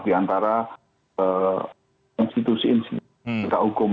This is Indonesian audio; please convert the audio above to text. diantara konstitusi insin bukan hukum